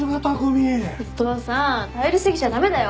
お父さん頼り過ぎちゃ駄目だよ。